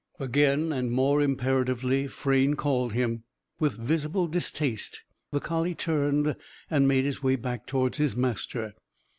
Again, and more imperatively, Frayne called him. With visible distaste, the collie turned and made his way back towards his master.